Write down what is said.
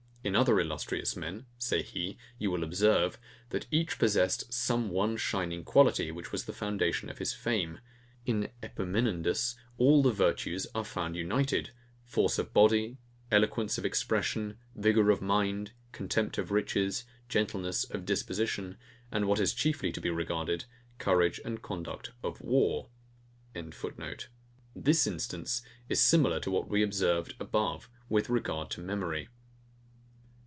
In other illustrious men, say he, you will observe, that each possessed some one shining quality, which was the foundation of his fame: In Epaminondas all the VIRTUES are found united; force of body. eloquence of expression, vigour of mind, contempt of riches, gentleness of disposition, and what is chiefly to be regarded, courage and conduct of war.] This instance is similar to what we observed above with regard to memory.